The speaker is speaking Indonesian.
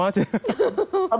ah masa sih oma